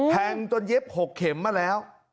แทงจนเย็บ๖เข็มมาแล้ว